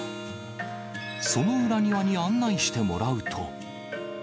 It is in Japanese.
その裏庭に案内してもらうと。